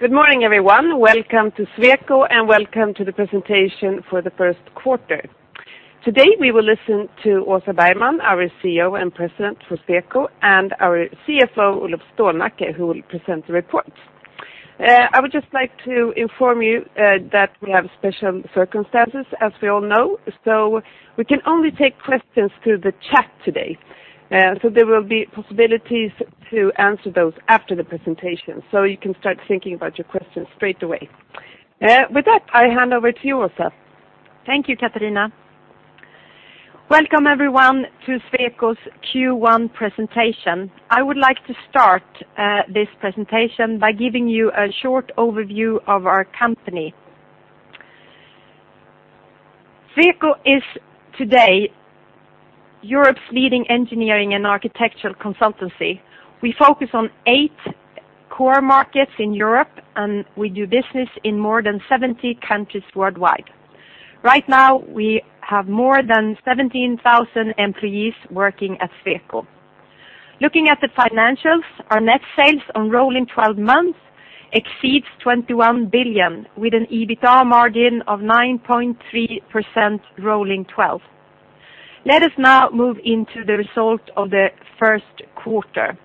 Good morning, everyone. Welcome to Sweco and welcome to the presentation for the first quarter. Today we will listen to Åsa Bergman, our CEO and President for Sweco, and our CFO, Olof Stålnacke, who will present the reports. I would just like to inform you that we have special circumstances, as we all know, so we can only take questions through the chat today. So there will be possibilities to answer those after the presentation, so you can start thinking about your questions straight away. With that, I hand over to you, Åsa. Thank you, Katarina. Welcome, everyone, to Sweco's Q1 presentation. I would like to start this presentation by giving you a short overview of our company. Sweco is today Europe's leading engineering and architectural consultancy. We focus on eight core markets in Europe, and we do business in more than 70 countries worldwide. Right now, we have more than 17,000 employees working at Sweco. Looking at the financials, our net sales on rolling 12 months exceeds 21 billion, with an EBITDA margin of 9.3% rolling 12. Let us now move into the result of the first quarter.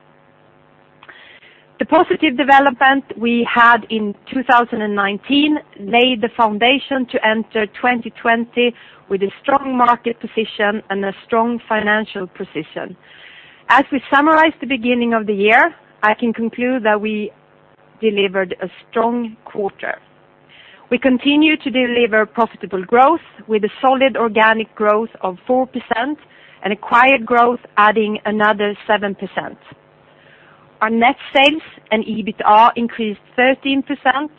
The positive development we had in 2019 laid the foundation to enter 2020 with a strong market position and a strong financial position. As we summarize the beginning of the year, I can conclude that we delivered a strong quarter. We continue to deliver profitable growth, with a solid organic growth of 4% and an acquisitive growth adding another 7%. Our net sales and EBITDA increased 13%.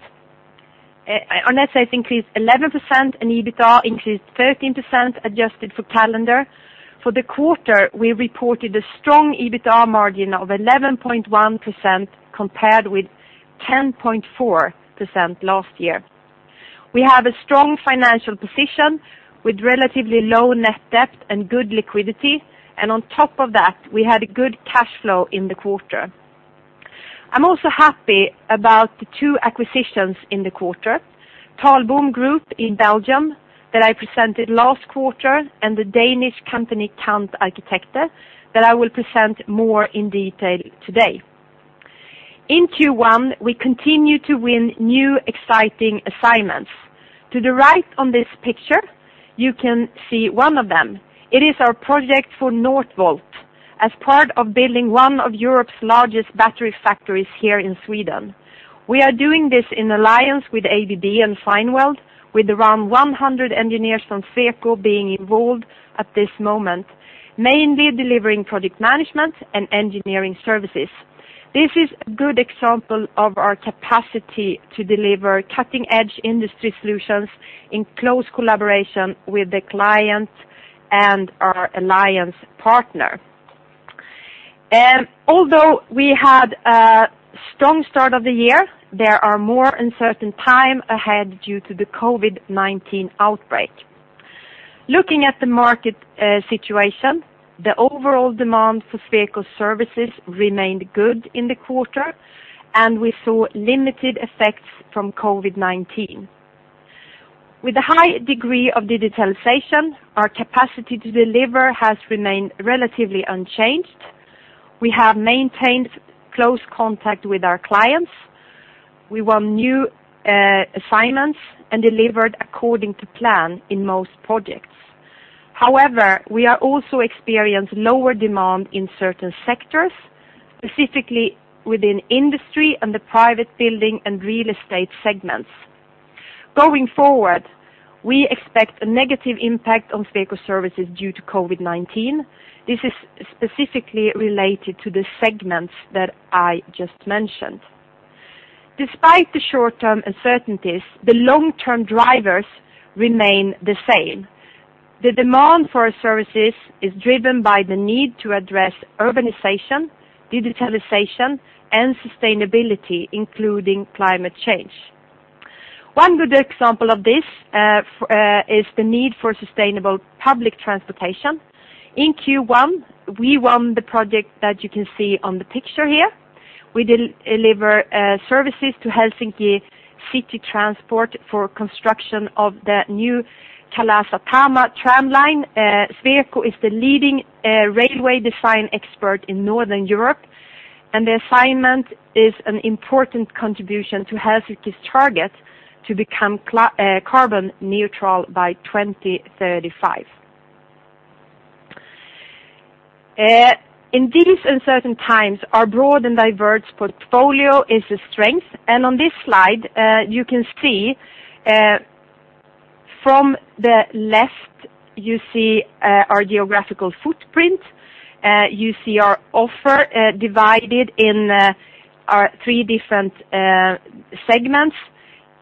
Our net sales increased 11% and EBITDA increased 13%, adjusted for calendar. For the quarter, we reported a strong EBITDA margin of 11.1% compared with 10.4% last year. We have a strong financial position with relatively low net debt and good liquidity, and on top of that, we had a good cash flow in the quarter. I'm also happy about the two acquisitions in the quarter: Talboom Group in Belgium that I presented last quarter, and the Danish company Kant Arkitekter, that I will present more in detail today. In Q1, we continue to win new exciting assignments. To the right on this picture, you can see one of them. It is our project for Northvolt, as part of building one of Europe's largest battery factories here in Sweden. We are doing this in alliance with ABB and Vattenfall, with around 100 engineers from Sweco being involved at this moment, mainly delivering project management and engineering services. This is a good example of our capacity to deliver cutting-edge industry solutions in close collaboration with the client and our alliance partner. Although we had a strong start of the year, there are more uncertain times ahead due to the COVID-19 outbreak. Looking at the market situation, the overall demand for Sweco's services remained good in the quarter, and we saw limited effects from COVID-19. With a high degree of digitalization, our capacity to deliver has remained relatively unchanged. We have maintained close contact with our clients. We won new assignments and delivered according to plan in most projects. However, we have also experienced lower demand in certain sectors, specifically within industry and the private building and real estate segments. Going forward, we expect a negative impact on Sweco's services due to COVID-19. This is specifically related to the segments that I just mentioned. Despite the short-term uncertainties, the long-term drivers remain the same. The demand for our services is driven by the need to address urbanization, digitalization, and sustainability, including climate change. One good example of this is the need for sustainable public transportation. In Q1, we won the project that you can see on the picture here. We deliver services to Helsinki City Transport for construction of the new Kalasatama tram line. Sweco is the leading railway design expert in Northern Europe, and the assignment is an important contribution to Helsinki's target to become carbon neutral by 2035. In these uncertain times, our broad and diverse portfolio is a strength, and on this slide, you can see from the left; you see our geographical footprint. You see our offer divided in three different segments,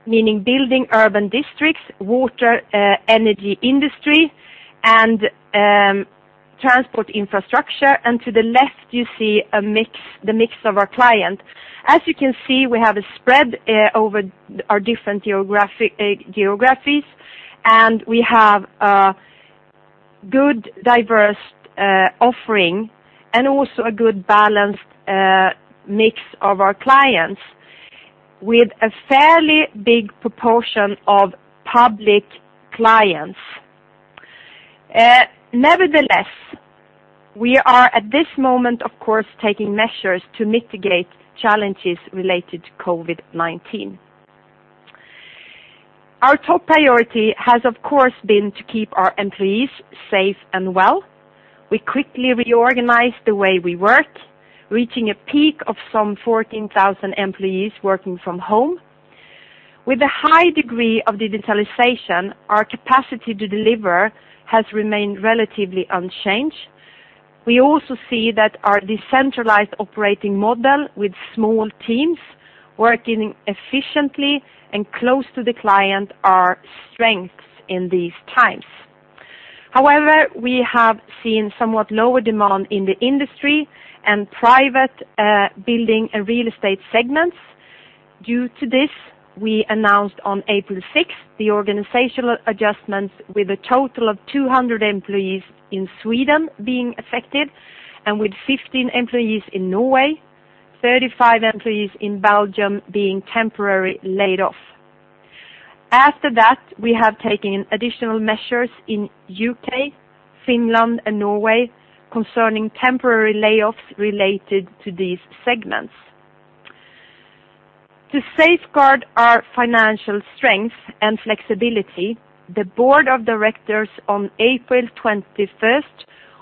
meaning building urban districts, water, energy, industry, and transport infrastructure, and to the left, you see the mix of our client. As you can see, we have a spread over our different geographies, and we have a good, diverse offering and also a good balanced mix of our clients with a fairly big proportion of public clients. Nevertheless, we are at this moment, of course, taking measures to mitigate challenges related to COVID-19. Our top priority has, of course, been to keep our employees safe and well. We quickly reorganized the way we work, reaching a peak of some 14,000 employees working from home. With a high degree of digitalization, our capacity to deliver has remained relatively unchanged. We also see that our decentralized operating model with small teams working efficiently and close to the client are strengths in these times. However, we have seen somewhat lower demand in the industry and private building and real estate segments. Due to this, we announced on April 6th the organizational adjustments, with a total of 200 employees in Sweden being affected and with 15 employees in Norway, 35 employees in Belgium being temporarily laid off. After that, we have taken additional measures in the U.K., Finland, and Norway concerning temporary layoffs related to these segments. To safeguard our financial strength and flexibility, the board of directors on April 21st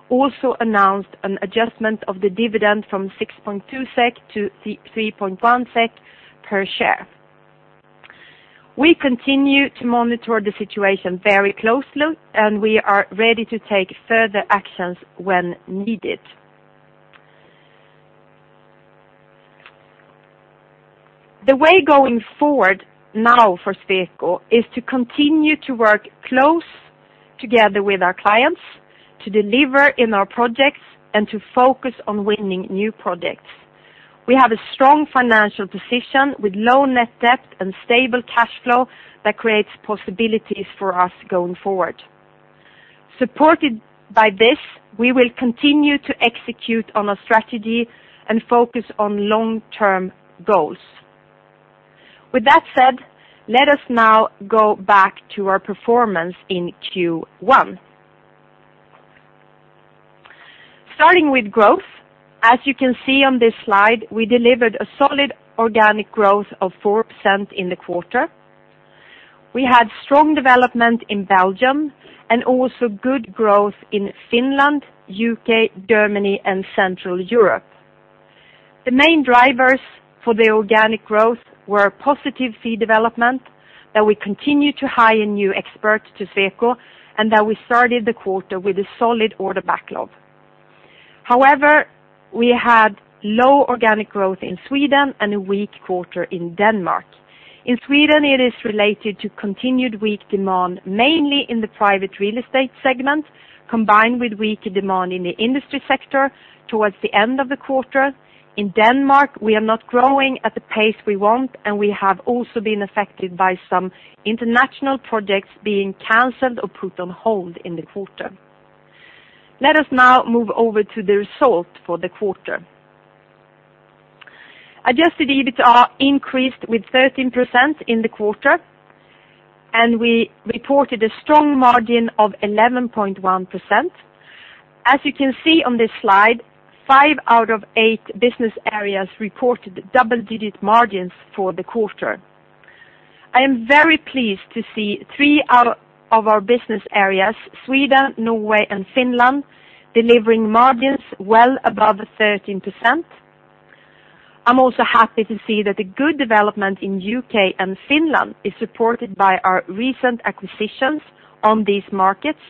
also announced an adjustment of the dividend from 6.2 SEK to 3.1 SEK per share. We continue to monitor the situation very closely, and we are ready to take further actions when needed. The way going forward now for Sweco is to continue to work close together with our clients, to deliver in our projects, and to focus on winning new projects. We have a strong financial position with low net debt and stable cash flow that creates possibilities for us going forward. Supported by this, we will continue to execute on our strategy and focus on long-term goals. With that said, let us now go back to our performance in Q1. Starting with growth, as you can see on this slide, we delivered a solid organic growth of 4% in the quarter. We had strong development in Belgium and also good growth in Finland, the U.K., Germany, and Central Europe. The main drivers for the organic growth were positive fee development, that we continued to hire new experts to Sweco, and that we started the quarter with a solid order backlog. However, we had low organic growth in Sweden and a weak quarter in Denmark. In Sweden, it is related to continued weak demand, mainly in the private real estate segment, combined with weaker demand in the industry sector towards the end of the quarter. In Denmark, we are not growing at the pace we want, and we have also been affected by some international projects being canceled or put on hold in the quarter. Let us now move over to the result for the quarter. Adjusted EBITDA increased with 13% in the quarter, and we reported a strong margin of 11.1%. As you can see on this slide, five out of eight business areas reported double-digit margins for the quarter. I am very pleased to see three of our business areas, Sweden, Norway, and Finland, delivering margins well above 13%. I'm also happy to see that the good development in the UK and Finland is supported by our recent acquisitions on these markets.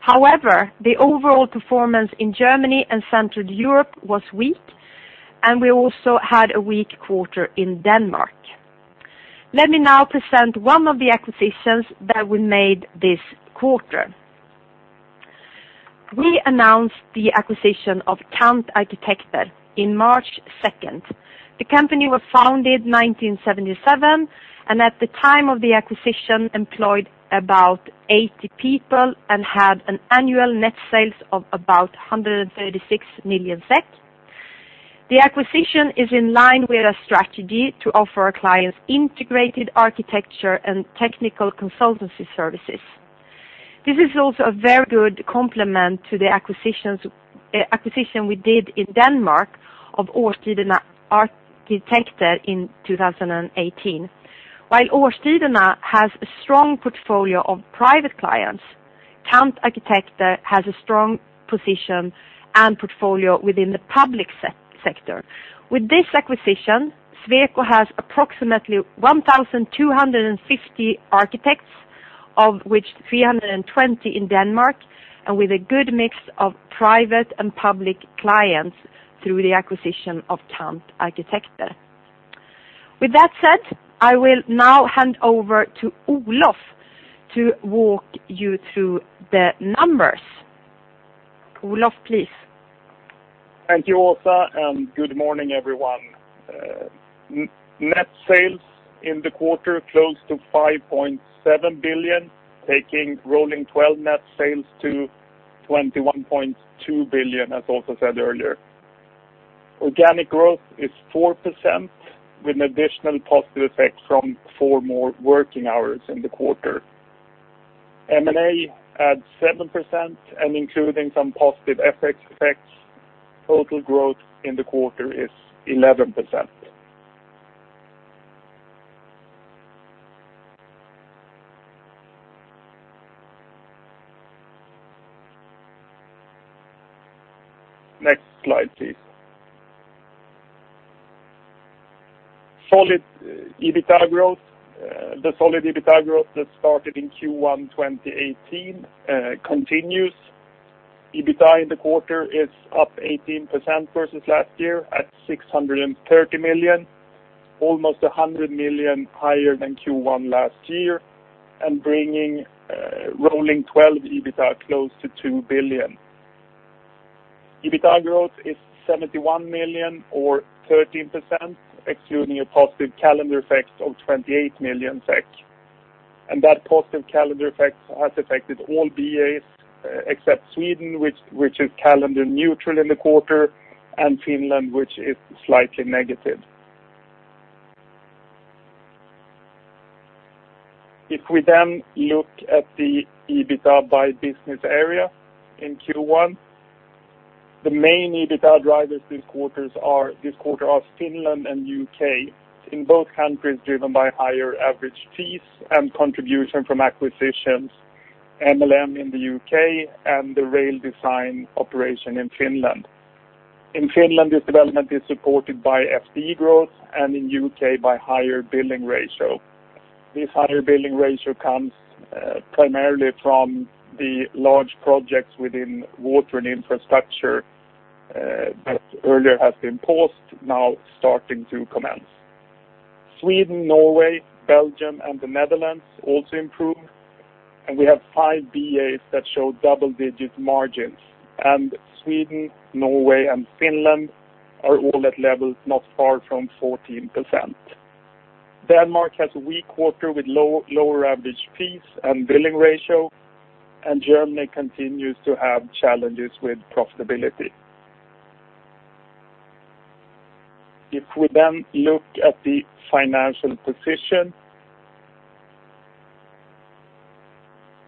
However, the overall performance in Germany and Central Europe was weak, and we also had a weak quarter in Denmark. Let me now present one of the acquisitions that we made this quarter. We announced the acquisition of Kant Arkitekter in March 2nd. The company was founded in 1977 and, at the time of the acquisition, employed about 80 people and had an annual net sales of about 136 million SEK. The acquisition is in line with our strategy to offer our clients integrated architecture and technical consultancy services. This is also a very good complement to the acquisition we did in Denmark of Årstiderne Arkitekter in 2018. While Årstiderna has a strong portfolio of private clients, Kant Arkitekter has a strong position and portfolio within the public sector. With this acquisition, Sweco has approximately 1,250 architects, of which 320 in Denmark, and with a good mix of private and public clients through the acquisition of Kant Arkitekter. With that said, I will now hand over to Olof to walk you through the numbers. Olof, please. Thank you, Åsa, and good morning, everyone. Net sales in the quarter closed to 5.7 billion, taking rolling 12 net sales to 21.2 billion, as Åsa said earlier. Organic growth is 4% with an additional positive effect from four more working hours in the quarter. M&A adds 7%, and including some positive effects, total growth in the quarter is 11%. Next slide, please. Solid EBITDA growth. The solid EBITDA growth that started in Q1 2018 continues. EBITDA in the quarter is up 18% versus last year at 630 million SEK, almost 100 million SEK higher than Q1 last year, and bringing rolling 12 EBITDA close to 2 billion SEK. EBITDA growth is 71 million SEK, or 13%, excluding a positive calendar effect of 28 million SEK. That positive calendar effect has affected all BAs except Sweden, which is calendar neutral in the quarter, and Finland, which is slightly negative. If we then look at the EBITDA by business area in Q1, the main EBITDA drivers this quarter are Finland and the UK. In both countries, driven by higher average fees and contribution from acquisitions, MLM in the UK and the rail design operation in Finland. In Finland, this development is supported by organic growth and in the UK by higher billing ratio. This higher billing ratio comes primarily from the large projects within water and infrastructure that earlier have been paused, now starting to commence. Sweden, Norway, Belgium, and the Netherlands also improved, and we have five BAs that show double-digit margins, and Sweden, Norway, and Finland are all at levels not far from 14%. Denmark has a weak quarter with lower average fees and billing ratio, and Germany continues to have challenges with profitability. If we then look at the financial position,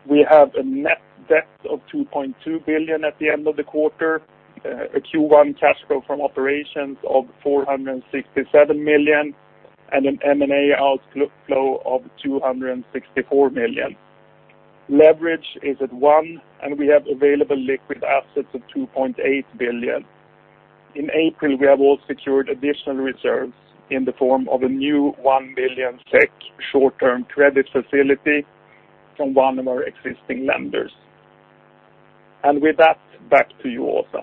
we have a net debt of 2.2 billion at the end of the quarter, a Q1 cash flow from operations of 467 million, and an M&A outflow of 264 million. Leverage is at one, and we have available liquid assets of 2.8 billion. In April, we have all secured additional reserves in the form of a new one million SEK short-term credit facility from one of our existing lenders, and with that, back to you, Åsa.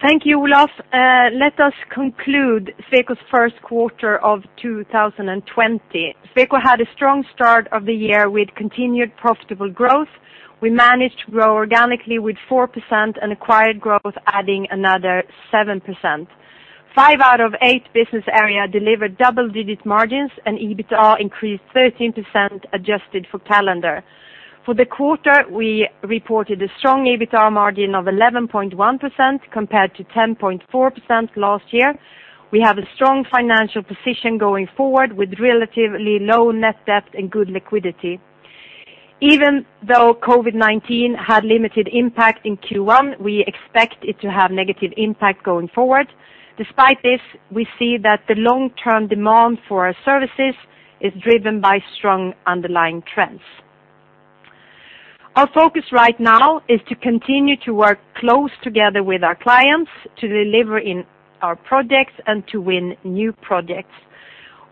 Thank you, Olof. Let us conclude Sweco's first quarter of 2020. Sweco had a strong start of the year with continued profitable growth. We managed to grow organically with 4% and acquired growth, adding another 7%. Five out of eight business areas delivered double-digit margins, and EBITDA increased 13% adjusted for calendar. For the quarter, we reported a strong EBITDA margin of 11.1% compared to 10.4% last year. We have a strong financial position going forward with relatively low net debt and good liquidity. Even though COVID-19 had limited impact in Q1, we expect it to have a negative impact going forward. Despite this, we see that the long-term demand for our services is driven by strong underlying trends. Our focus right now is to continue to work close together with our clients to deliver in our projects and to win new projects.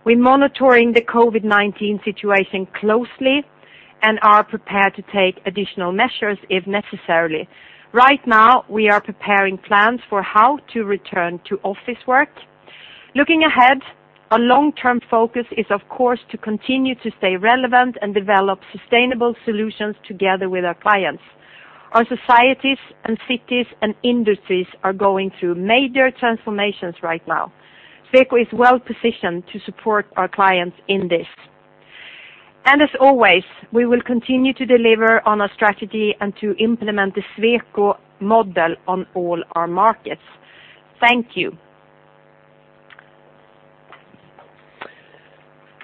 We are monitoring the COVID-19 situation closely and are prepared to take additional measures if necessary. Right now, we are preparing plans for how to return to office work. Looking ahead, our long-term focus is, of course, to continue to stay relevant and develop sustainable solutions together with our clients. Our societies, cities, and industries are going through major transformations right now. Sweco is well positioned to support our clients in this. And as always, we will continue to deliver on our strategy and to implement the Sweco model on all our markets. Thank you.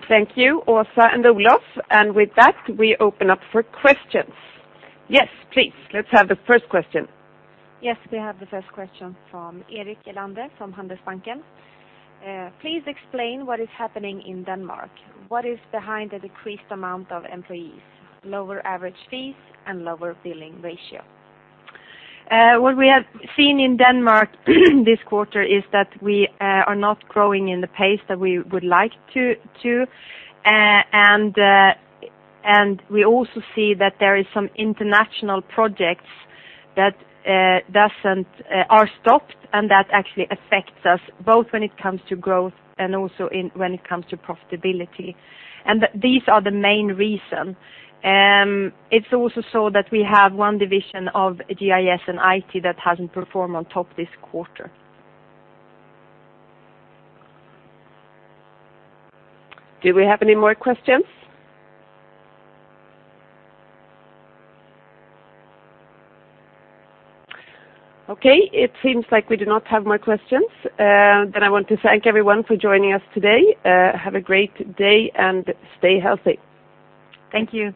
Thank you, Åsa and Olof. And with that, we open up for questions. Yes, please. Let's have the first question. Yes, we have the first question from Erik Elander from Handelsbanken. Please explain what is happening in Denmark. What is behind the decreased amount of employees, lower average fees, and lower billing ratio? What we have seen in Denmark this quarter is that we are not growing in the pace that we would like to. And we also see that there are some international projects that are stopped, and that actually affects us both when it comes to growth and also when it comes to profitability. And these are the main reasons. It's also so that we have one division of GIS and IT that hasn't performed on top this quarter. Do we have any more questions? Okay. It seems like we do not have more questions. Then I want to thank everyone for joining us today. Have a great day and stay healthy. Thank you.